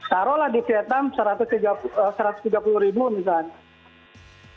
taruhlah di vietnam satu ratus tiga puluh ribu misalnya